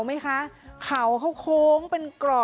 ดูหน้าปู่ถุยกันหน่อยค่ะ